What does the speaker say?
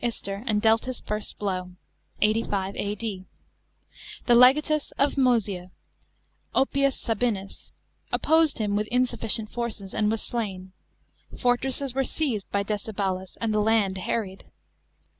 Ister ard dealt his tirst blow (85 A.D.). The legatus of Mcesia, Oppius Sahinus, opposed him with insufficient forces, and was slain ; foi tres>es wt re seized by Drcebalus, and the land harried.